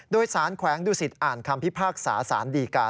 โดยสารแขวงดุสิตอ่านคำพิพากษาสารดีกา